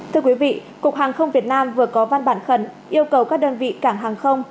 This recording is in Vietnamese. thưa quý vị cục hàng không việt nam vừa có văn bản khẩn yêu cầu các đơn vị cảng hàng không